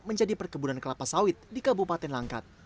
menjadi perkebunan kelapa sawit di kabupaten langkat